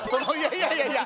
いやいやいや。